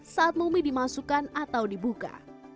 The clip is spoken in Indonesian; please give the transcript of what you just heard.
saat mumi dimasukkan atau dibuka